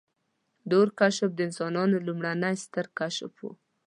• د اور کشف د انسانانو لومړنی ستر کشف و.